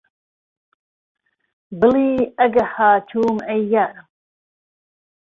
بڵی ئهگه هاتوم ئهی یارم